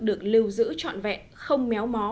được lưu giữ trọn vẹn không méo mó